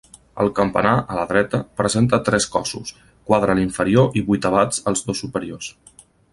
El campanar, a la dreta, presenta tres cossos, quadra l'inferior i vuitavats els dos superiors.